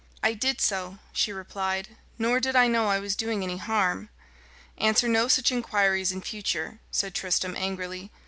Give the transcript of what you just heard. "I did so," she replied; "nor did I know I was doing any harm." "Answer no such inquiries in future," said Tristram angrily.